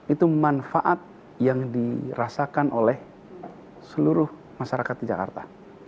itu manfaat yang dirasakan oleh seluruh masyarakat di jakarta